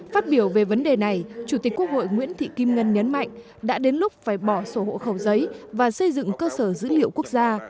phát biểu về vấn đề này chủ tịch quốc hội nguyễn thị kim ngân nhấn mạnh đã đến lúc phải bỏ sổ hộ khẩu giấy và xây dựng cơ sở dữ liệu quốc gia